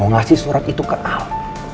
mau ngasih surat itu ke al